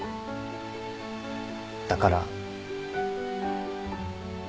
だから。